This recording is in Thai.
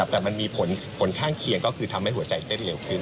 แต่มันมีผลข้างเคียงก็คือทำให้หัวใจเต้นเร็วขึ้น